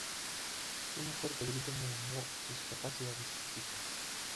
Una fuerte gripe mermó sus capacidades físicas.